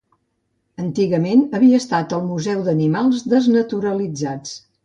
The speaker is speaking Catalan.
Antigament havia estat el museu d'animals desnaturalitzats.